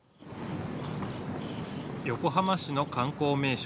横浜市の観光名所